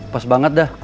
pas banget dah